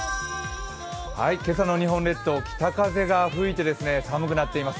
今朝の日本列島、北風が吹いて寒くなっています。